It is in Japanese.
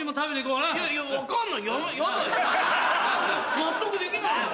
納得できないもん。